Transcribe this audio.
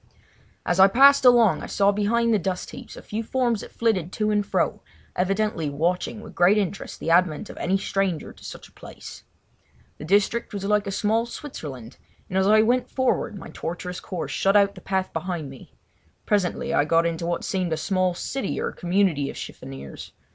As I passed along I saw behind the dust heaps a few forms that flitted to and fro, evidently watching with interest the advent of any stranger to such a place. The district was like a small Switzerland, and as I went forward my tortuous course shut out the path behind me. Presently I got into what seemed a small city or community of chiffoniers.